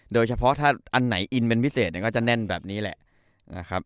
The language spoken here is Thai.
โดยเฉพาะถ้าอันไหนอินเป็นพิเศษเนี่ยก็จะแน่นแบบนี้แหละ